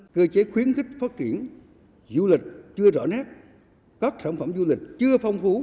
cơ chế khuyến khích phát triển du lịch chưa rõ nét các sản phẩm du lịch chưa phong phú